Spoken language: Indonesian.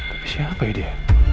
tapi siapa ya dia